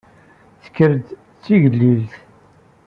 Tenker-d d tigellilt.